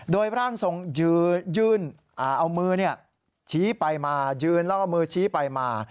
โดยร่างส่งยืนแล้วเอามือชี้ไปมา